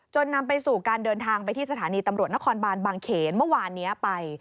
นำไปสู่การเดินทางไปที่สถานีตำรวจนครบานบางเขนเมื่อวานนี้ไป